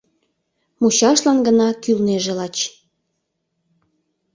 Мучашлаш гына кӱлнеже лач